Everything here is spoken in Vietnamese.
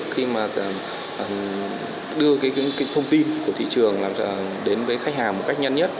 khi mà đưa cái thông tin của thị trường đến với khách hàng một cách nhanh nhất